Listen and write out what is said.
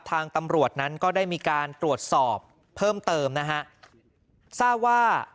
ทางตำรวจนั้นก็ได้มีการตรวจสอบเพิ่มเติมนะฮะทราบว่า